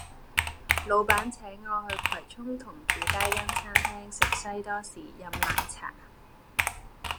老闆請我去葵涌童子街間餐廳食西多士飲奶茶